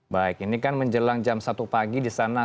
baik ini kan menjelang jam satu pagi di sana